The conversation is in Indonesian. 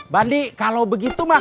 bandi kalau begitu mah